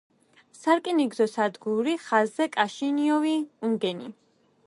სარკინიგზო სადგური ხაზზე კიშინიოვი—უნგენი.